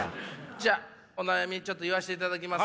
じゃあお悩みちょっと言わしていただきます。